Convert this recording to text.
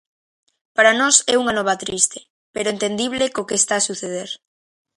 Para nos é unha nova triste, pero entendible co que está suceder.